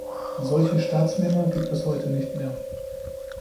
Solche Staatsmänner gibt es heute nicht mehr.